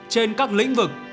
trên các lĩnh vực